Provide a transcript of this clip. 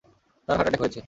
তার heart attack হয়েছে।